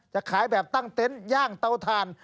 จะขายแบบตั้งเต็นต์ย่างเตาถ่าน